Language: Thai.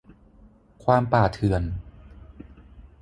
ความป่าเถื่อน